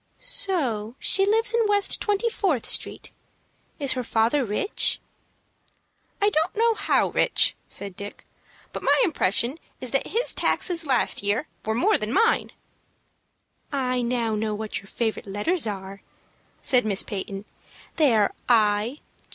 "So she lives in West Twenty Fourth Street. Is her father rich?" "I don't know how rich," said Dick; "but my impression is that his taxes last year were more than mine." "I know now what your favorite letters are," said Miss Peyton. "They are I.